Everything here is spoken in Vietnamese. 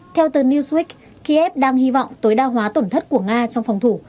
theo tờ newsweek kiev đang hy vọng tối đa hóa tổn thất của nga trong phòng thủ